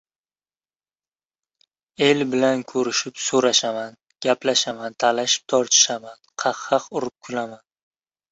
El bilan ko‘rishib-so‘rashaman, gaplashaman, talashib-tortishaman, qah-qah urib kulaman.